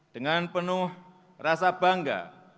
dengan penuh rasa bangga